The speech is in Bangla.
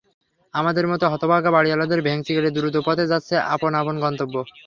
আমাদের মতো হতভাগা বাড়িওয়ালাদের ভেংচি কেটে দ্রুতপদে যাচ্ছে আপন আপন গন্তব্যে।